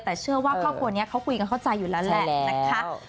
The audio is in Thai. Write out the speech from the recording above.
แต่เชื่อว่าครอบครัวนี้เขาคุยกันเข้าใจอยู่แล้วแหละนะคะ